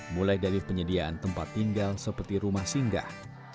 mulai dari penyediaan tempat tinggal seperti rumah singgah